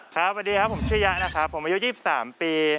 ครับสวัสดีครับผมชื่อยั้ผมอายุ๒๓ปี